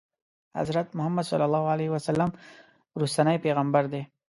حضرت محمد صلی الله علیه وسلم وروستنی پیغمبر دی.